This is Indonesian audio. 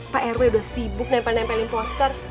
pak rw udah sibuk nempel nempelin poster